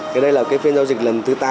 thì đây là cái phiên giao dịch lần thứ tám